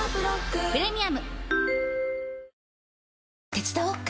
手伝おっか？